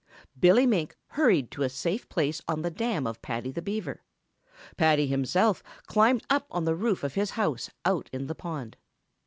Billy Mink hurried to a safe place on the dam of Paddy the Beaver. Paddy himself climbed up on the roof of his house out in the pond.